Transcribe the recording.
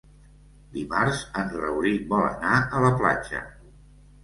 Dimarts en Rauric vol anar a la platja.